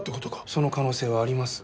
その可能性はあります。